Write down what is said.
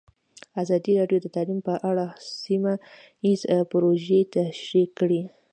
ازادي راډیو د تعلیم په اړه سیمه ییزې پروژې تشریح کړې.